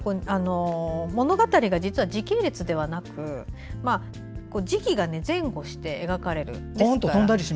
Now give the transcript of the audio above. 物語が時系列ではなく時期が前後して描かれるんです。